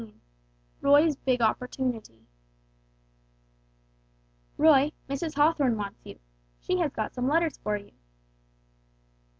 XVII ROY'S BIG OPPORTUNITY "Roy, Mrs. Hawthorn wants you. She has got some letters for you."